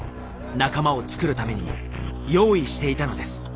仲間を作るために用意していたのです。